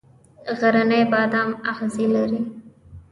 غرنی بادام اغزي لري؟